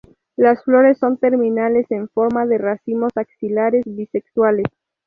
Las flores son terminales en forma de racimos axilares bisexuales.